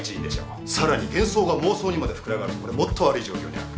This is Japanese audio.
さらに幻想が妄想にまで膨れ上がるとこれもっと悪い状況になる。